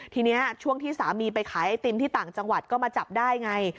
ทีนี้ช่วงที่สามีไปขายไอติมที่ต่างจังหวัดก็มาจับได้ไง